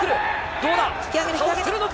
どうだ！